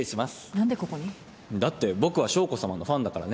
何でここに？だって僕は将子さまのファンだからね。